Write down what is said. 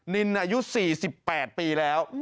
นินอายุ๔๘ปีแล้ว